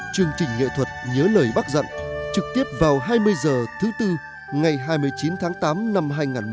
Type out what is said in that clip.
chương trình nghệ thuật nhớ lời bác dặn trực tiếp vào hai mươi h thứ tư ngày hai mươi chín tháng tám năm hai nghìn một mươi chín